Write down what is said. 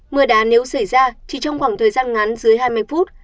mưa đá nếu xảy ra chỉ trong khoảng thời gian ngắn dưới hai mươi phút